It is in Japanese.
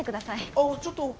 ああちょっと。